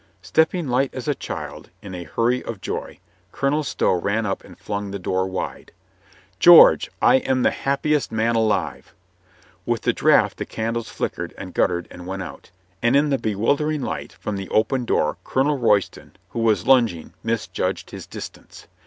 Stepping light as a child in a hurry of joy, Colonel Stow ran up and flung the door wide. "George ! I am the happiest man alive!" With the draft the candles flickered and guttered and went out, and in the bewildering light from the open door Colonel Royston, who was lunging, misjudged his distance.